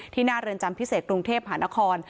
ที่นาเรินจำพิเศษกรุงเทพฯหานคร